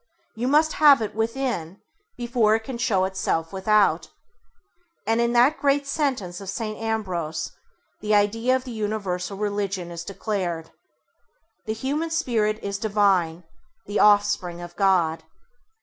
You must have it within before it can show itself without, and in that great [Page 18] sentence of S. Ambrose the idea of the universal religion is declared. The human Spirit is divine, the offspring of God.